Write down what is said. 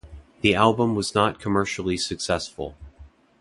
The album was not commercially successful.